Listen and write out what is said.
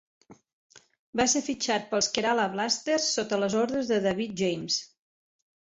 Va ser fitxat pels Kerala Blasters, sota les ordres de David James.